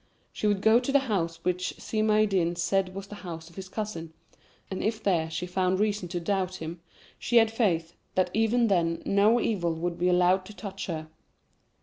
She would go to the house which Si Maïeddine said was the house of his cousin, and if there she found reason to doubt him, she had faith that even then no evil would be allowed to touch her.